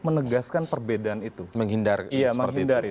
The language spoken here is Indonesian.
menegaskan perbedaan itu menghindari